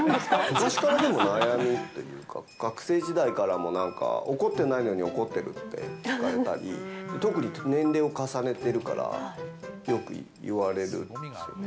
昔からでも、悩みっていうか、学生時代からもなんか怒ってないのに怒ってる？って聞かれたり、特に年齢を重ねてるからよく言われるんですよね。